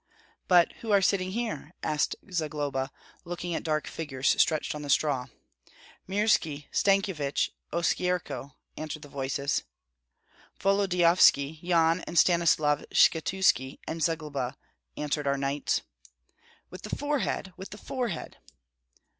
"But who are sitting here?" asked Zagloba, looking at dark figures stretched on the straw. "Mirski, Stankyevich, Oskyerko," answered voices. "Volodyovski, Yan and Stanislav Skshetuski, and Zagloba," answered our knights. "With the forehead, with the forehead!"